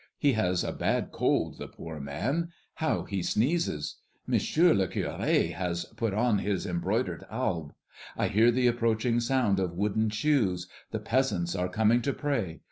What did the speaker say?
He has a bad cold, the poor man; how he sneezes! Monsieur le Curé has put on his embroidered alb. I hear the approaching sound of wooden shoes; the peasants are coming to pray.